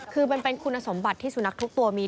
คือมันเป็นคุณสมบัติที่สุนัขทุกตัวมี